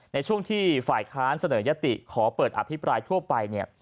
ในช่วงที่ฝ่ายค้านเสนอยติขอเปิดอภิปรายทั่วไปเนี่ย